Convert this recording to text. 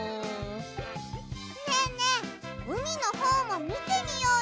ねえねえうみのほうもみてみようよ！